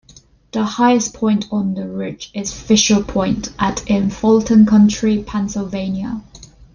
The highest point on the ridge is Fisher Point, at in Fulton County, Pennsylvania.